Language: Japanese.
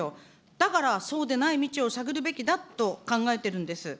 だからそうでない道を探るべきだと考えてるんです。